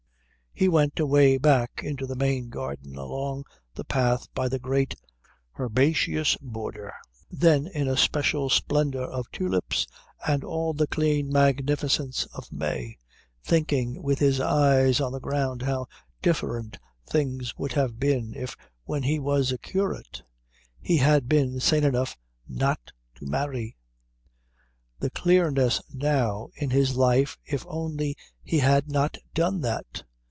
He went away back into the main garden along the path by the great herbaceous border then in a special splendour of tulips and all the clean magnificence of May, thinking with his eyes on the ground how different things would have been if when he was a curate he had been sane enough not to marry. The clearness now in his life if only he had not done that!